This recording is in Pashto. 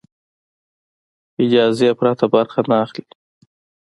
اجازې پرته برخه نه اخلي.